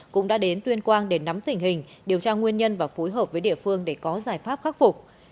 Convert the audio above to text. cũng đã đến tuyên quang để nắm tình hình điều tra nguyên nhân và phối hợp với địa phương để có giải pháp khắc phục